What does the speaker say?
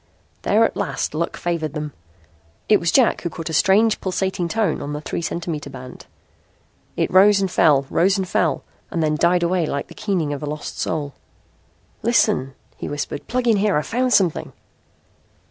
There at last luck favored them. It was Jack who caught a strange pulsating tone on the three centimeter band. It rose and fell, rose and fell, then died away like the keening of a lost soul. "Listen," he whispered. "Plug in here. I've found something."